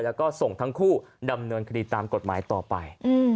แล้วก็ส่งทั้งคู่ดำเนินคดีตามกฎหมายต่อไป